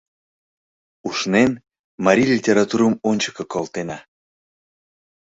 Ушнен, марий литературым ончыко колтена.